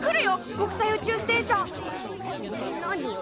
国際宇宙ステーション！何よ。